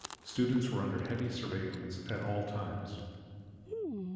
Students were under heavy surveillance at all times.